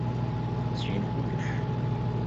Ttgen kullec.